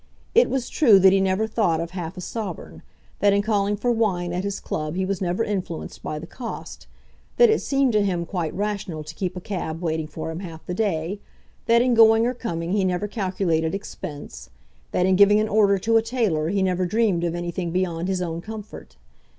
It was true that he never thought of half a sovereign; that in calling for wine at his club he was never influenced by the cost; that it seemed to him quite rational to keep a cab waiting for him half the day; that in going or coming he never calculated expense; that in giving an order to a tailor he never dreamed of anything beyond his own comfort.